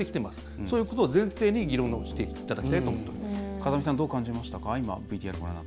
そういうことを前提に議論をしていただきたいと思います。